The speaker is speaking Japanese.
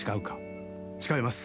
誓います。